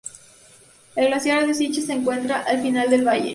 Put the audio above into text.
El glaciar de Siachen se encuentra al final del valle.